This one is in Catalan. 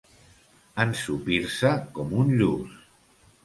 Ensopir-se com un lluç.